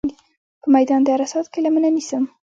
په میدان د عرصات کې لمنه نیسم.